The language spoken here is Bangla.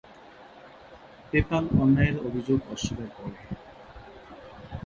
পেপ্যাল অন্যায়ের অভিযোগ অস্বীকার করে।